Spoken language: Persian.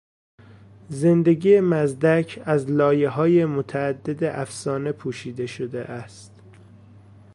زندگی مزدک از لایههای متعدد افسانه پوشیده شده است.